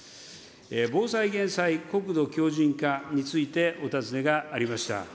防災・減災、国土強じん化について、お尋ねがありました。